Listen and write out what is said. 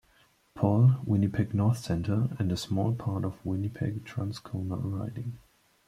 Paul, Winnipeg North Centre and a small part of Winnipeg-Transcona riding.